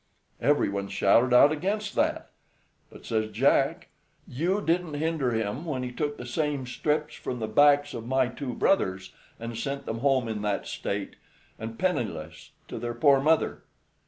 Every one shouted out against that; but, says Jack, "You didn't hinder him when he took the same strips from the backs of my two brothers, and sent them home in that state, and penniless, to their poor mother."